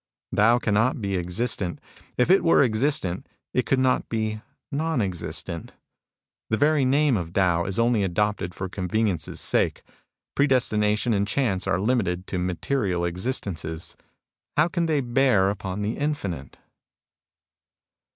" Tao cannot be existent. If it were existent, it could not be non existent. The very name of Tao is only adopted for convenience' sake. Pre destination and Chance are limited to material existences. How can they bear upon the infinite